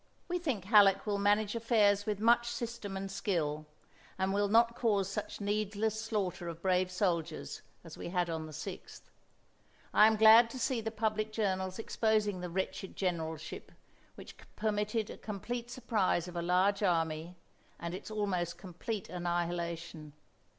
We think Halleck will manage affairs with much system and skill, and will not cause such needless slaughter of brave soldiers as we had on the 6th. I am glad to see the public journals exposing the wretched generalship which permitted a complete surprise of a large army, and its almost complete annihilation.